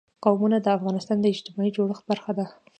قومونه د افغانستان د اجتماعي جوړښت برخه ده.